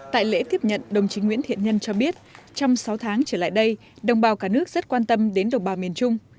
tại lễ tiếp nhận đồng chí nguyễn thiện nhân cho biết trong sáu tháng trở lại đây đồng bào cả nước rất quan tâm đến đồng bào miền trung